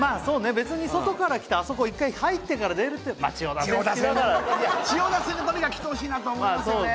別に外から来てあそこ一回入ってから千代田線でとにかく来てほしいなって思いますよね